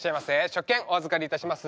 食券お預かりいたします。